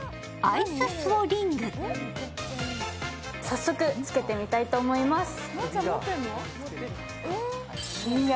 早速つけてみたいと思います。